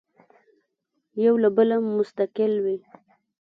یو له بله مستقل وي.